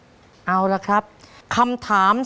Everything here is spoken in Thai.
น้องป๋องเลือกเรื่องระยะทางให้พี่เอื้อหนุนขึ้นมาต่อชีวิต